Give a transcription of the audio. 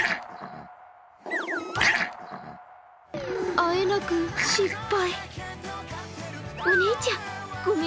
あえなく失敗。